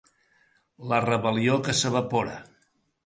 La rebel·lió que s’evapora